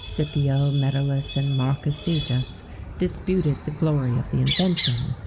Scipio, Metellus, and Marcus Sejus disputed the glory of the invention.